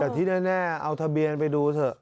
แต่ที่แน่เอาทะเบียนไปดูเถอะ